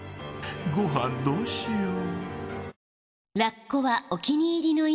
ごはんどうしよう。